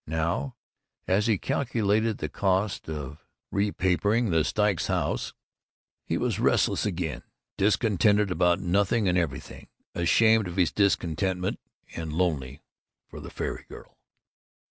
Now, as he calculated the cost of repapering the Styles house, he was restless again, discontented about nothing and everything, ashamed of his discontentment, and lonely for the fairy girl.